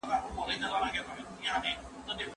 خپل لاسونه مدام پاک ساتئ.